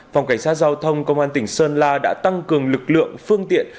phòng cảnh sát giao thông công an tỉnh sơn la đã tăng cường lực lượng phương tiện